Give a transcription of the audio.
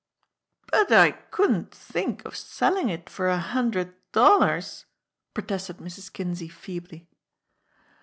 "But I couldn't think of selling it for a hundred dollars," protested Mrs. Kinsey feebly.